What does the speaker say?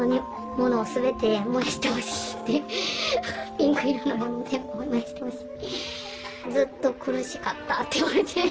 ピンク色のもの全部燃やしてほしい。